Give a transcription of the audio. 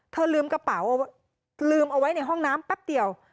ลืมกระเป๋าลืมเอาไว้ในห้องน้ำแป๊บเดียว